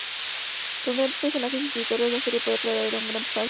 Con grandes personajes y escritores, la serie puede atraer a una gran "fan base".